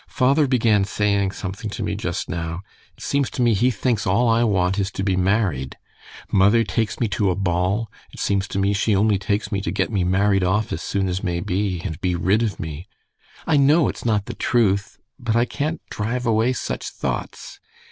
"Father began saying something to me just now.... It seems to me he thinks all I want is to be married. Mother takes me to a ball: it seems to me she only takes me to get me married off as soon as may be, and be rid of me. I know it's not the truth, but I can't drive away such thoughts.